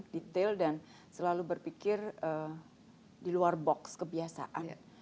detail dan selalu berpikir di luar box kebiasaan